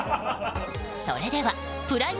それでは、プライム